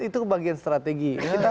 itu bagian strategi